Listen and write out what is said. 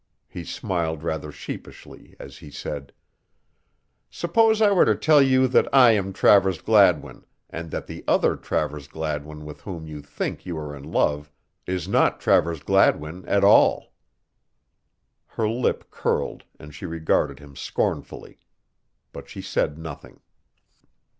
He smiled rather sheepishly as he said: "Suppose I were to tell you that I am Travers Gladwin and that the other Travers Gladwin with whom you think you are in love is not Travers Gladwin at all?" Her lip curled and she regarded him scornfully. But she said nothing.